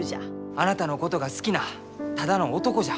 あなたのことが好きなただの男じゃ。